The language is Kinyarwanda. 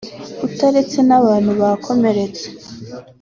utaretse n’abantu bakomeretse